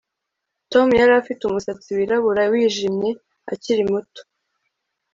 Tom yari afite umusatsi wirabura wijimye akiri muto